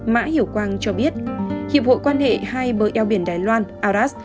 mã hiểu quang cho biết hiệp hội quan hệ hai bờ eo biển đài loan aras